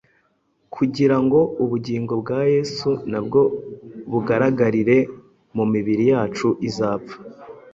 kugira ngo ubugingo bwa Yesu na bwo bugaragarire mu mibiri yacu izapfa.